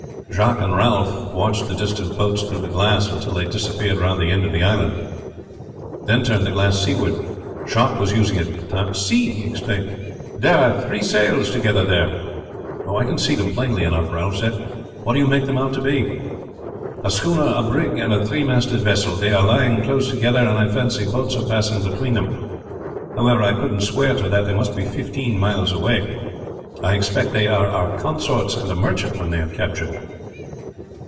Jacques and Ralph watched the distant boats through the glass until they disappeared round the end of the island, then turned the glass seaward. Jacques was using it at the time. "See!" he exclaimed, "there are three sails together there." "I can see them plainly enough," Ralph said. "What do you make them out to be?" "A schooner, a brig, and a three masted vessel. They are lying close together, and I fancy boats are passing between them. However, I couldn't swear to that. They must be fifteen miles away. I expect they are our consorts, and a merchantman they have captured."